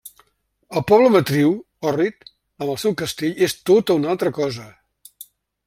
El poble matriu, Orrit, amb el seu castell és tota una altra cosa.